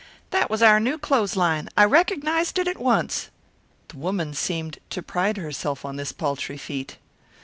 "That was our new clothesline; I recognized it at once." The woman seemed to pride herself on this paltry feat.